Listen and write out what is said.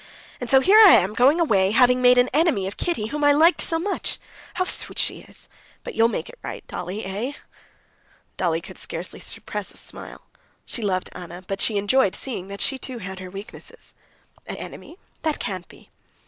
"And so here I am going away, having made an enemy of Kitty, whom I liked so much! Ah, how sweet she is! But you'll make it right, Dolly? Eh?" Dolly could scarcely suppress a smile. She loved Anna, but she enjoyed seeing that she too had her weaknesses. "An enemy? That can't be."